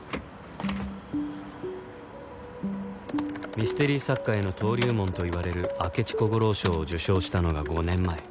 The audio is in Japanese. ミステリ作家への登竜門といわれる明智小五郎賞を受賞したのが５年前